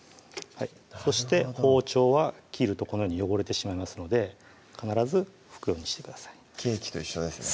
そして包丁は切るとこのように汚れてしまいますので必ず拭くようにしてくださいケーキと一緒ですね